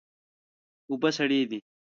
اوبه سړې دي